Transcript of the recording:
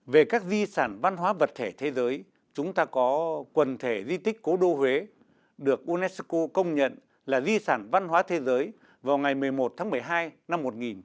về các di sản văn hóa vật thể thế giới chúng ta có quần thể di tích cố đô huế được unesco công nhận là di sản văn hóa thế giới vào ngày một mươi một tháng một mươi hai năm một nghìn chín trăm bảy mươi